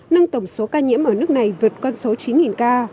nâng tổng số ca nhiễm ở nước này vượt con số chín ca